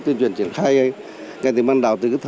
thì chúng tôi sẵn sàng